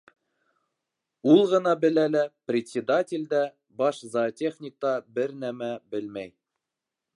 Ул ғына белә лә, председатель дә, баш зоотехник та бер нәмә белмәй!